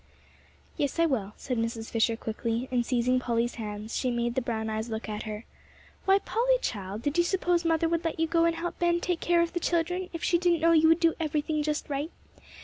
"Yes, I will," said Mrs. Fisher, quickly, and, seizing Polly's hands, she made the brown eyes look at her; "why, Polly child, did you suppose Mother would let you go and help Ben take care of the children if she didn't know you would do everything just right?